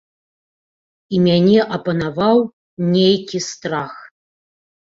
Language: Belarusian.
І мяне апанаваў нейкі страх.